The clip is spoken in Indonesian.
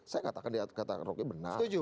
saya katakan benar